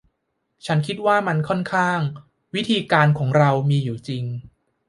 ฉันคิดว่ามันค่อนข้างวิธีการของเรามีอยู่จริง